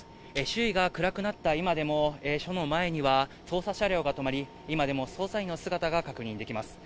周囲が暗くなった今でも、署の前には捜査車両が止まり、今でも捜査員の姿が確認できます。